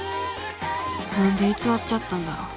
何で偽っちゃったんだろう。